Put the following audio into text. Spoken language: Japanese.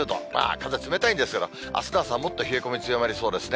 風冷たいんですけど、あすの朝はもっと冷え込み強まりそうですね。